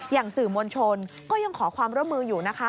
อย่างสื่อมวลชนก็ยังขอความร่วมมืออยู่นะคะ